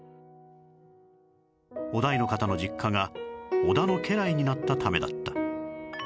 於大の方の実家が織田の家来になったためだった